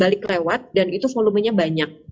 balik lewat dan itu volumenya banyak